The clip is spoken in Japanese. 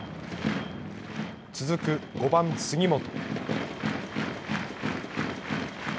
続く５番杉本。